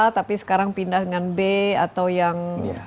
tapi sekarang pindah dengan b atau yang